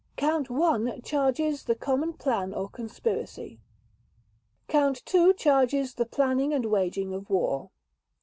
Count One charges the Common Plan or Conspiracy. Count Two charges the planning and waging of war.